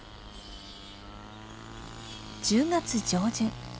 １０月上旬。